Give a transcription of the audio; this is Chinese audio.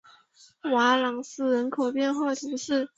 瓦朗斯人口变化图示